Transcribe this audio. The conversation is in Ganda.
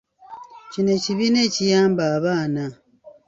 Kino ekibiina ekiyamba abaana.